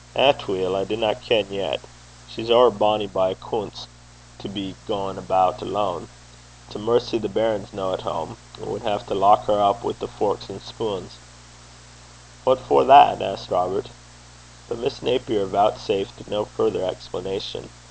'Atweel, I dinna ken yet. She's ower bonnie by a' accoonts to be gaein' about her lane (alone). It's a mercy the baron's no at hame. I wad hae to lock her up wi' the forks and spunes.' 'What for that?' asked Robert. But Miss Napier vouchsafed no further explanation.